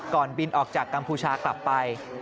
บินออกจากกัมพูชากลับไป